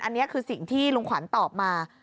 อันนี้คือสิ่งที่ลุงขวัญตอบมา